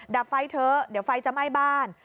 ดับไฟเถอะเดี๋ยวไฟจะไหม้บ้าน